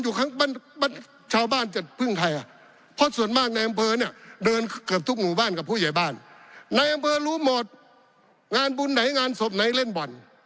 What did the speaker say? อยู่คั้นชาวบ้านจะพึ่งใครอ่ะเพราะส่วนมากในเอนเบรอ